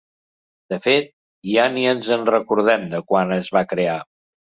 De fet, ja ni ens recordem de quan es va crear.